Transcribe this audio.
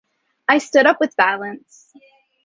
I stood up with violence: